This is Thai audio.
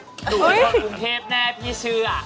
กลับกรุงเทพฯแน่พี่เชื่อ